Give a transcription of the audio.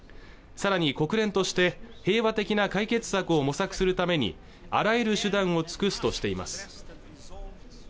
さらに国連として平和的な解決策を模索するためにあらゆる手段を尽くすとしています